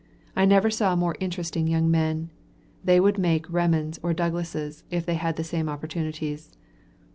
I never saw more interesting young men. They would make Remonds or Douglasses, if they had the same opportunities.